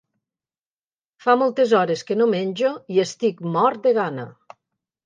Fa moltes hores que no menjo i estic mort de gana.